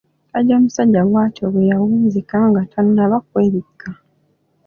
Jjajja musajja bw'atyo bwe yawunzika nga tannaba kwebikka.